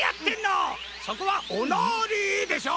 そこは「おなり」でしょ！